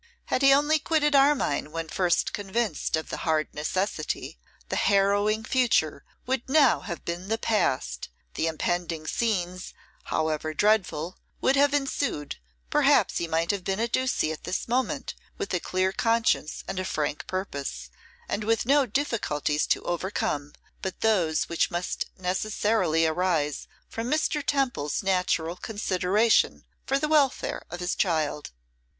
Had he only quitted Armine when first convinced of the hard necessity, the harrowing future would now have been the past, the impending scenes, however dreadful, would have ensued; perhaps he might have been at Ducie at this moment, with a clear conscience and a frank purpose, and with no difficulties to overcome but those which must necessarily arise from Mr. Temple's natural consideration for the welfare of his child.